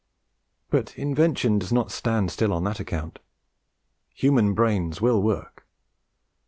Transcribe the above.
But invention does not stand still on that account. Human brains WILL work.